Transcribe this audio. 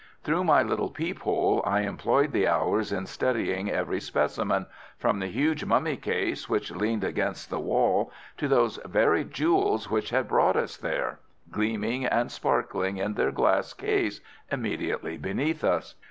Through my little peep hole I employed the hours in studying every specimen, from the huge mummy case which leaned against the wall to those very jewels which had brought us there, gleaming and sparkling in their glass case immediately beneath us.